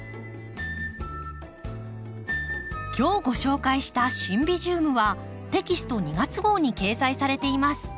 今日ご紹介した「シンビジウム」はテキスト２月号に掲載されています。